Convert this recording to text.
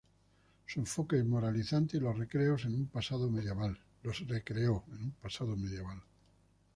Su enfoque es moralizante y los recreó en un pasado medieval.